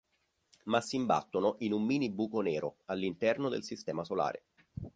Ma si imbattono in un mini buco nero all'interno del sistema solare.